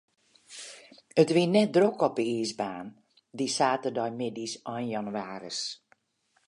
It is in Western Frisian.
It wie net drok op de iisbaan, dy saterdeitemiddeis ein jannewaris.